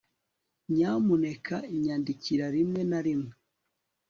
nyamuneka nyandikira rimwe na rimwe